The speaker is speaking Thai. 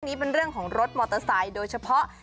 นี้เป็นเรื่องของรถมอเตอร์ไซค์โดยเฉพาะ